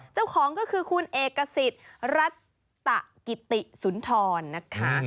เจ้าของก็คือคุณเอกสิทธิ์รัตตะกิติสุนทรนะคะ